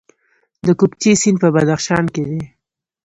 د کوکچې سیند په بدخشان کې دی